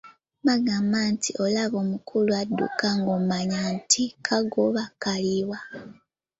Bagamba nti, “Olaba omukulu adduka ng'omanya nti kagoba kaliibwa."